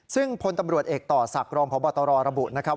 ซึ่งพลตำรวจเอกต่อศักดิ์รองพบตรระบุนะครับ